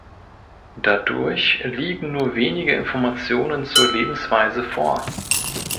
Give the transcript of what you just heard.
Dadurch liegen nur wenige Informationen zur Lebensweise vor.